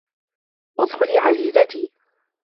ادخلِ، عزيزتي.